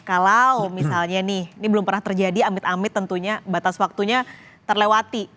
kalau misalnya nih ini belum pernah terjadi amit amit tentunya batas waktunya terlewati